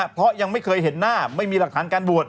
เพราะยังไม่เคยเห็นหน้าไม่มีหลักฐานการโหวต